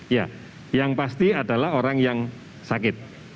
ya yang pasti adalah orang yang sakit